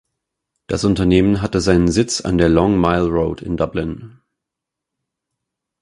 Das Unternehmen hatte seinen Sitz an der Long Mile Road in Dublin.